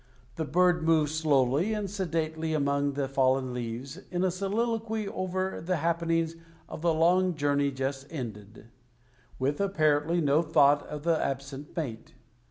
The bird moves slowly and sedately about among the fallen leaves in a soliloquy over the happenings of the long journey just ended, with apparently no thought of the absent mate.